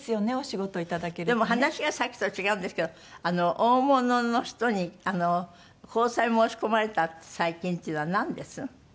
でも話がさっきと違うんですけど大物の人に交際申し込まれたって最近っていうのはなんです？